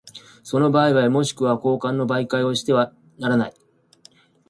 その売買若しくは交換の媒介をしてはならない。